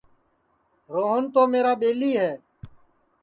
روہن تو میرا ٻیلی ہے